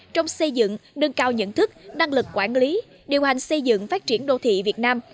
trong xây dựng đơn cao nhận thức năng lực quản lý điều hành xây dựng phát triển đô thị việt nam